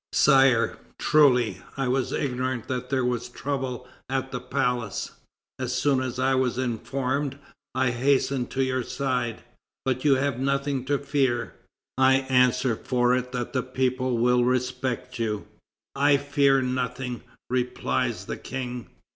"Sire, truly, I was ignorant that there was trouble at the palace. As soon as I was informed, I hastened to your side. But you have nothing to fear; I answer for it that the people will respect you." "I fear nothing," replies the King.